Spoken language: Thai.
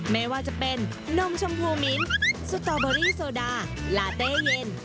ไม่ว่าจะเป็นนมชมพูมิ้นสตอเบอรี่โซดาลาเต้เย็น